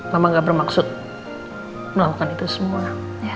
mama gak bermaksud melakukan itu semua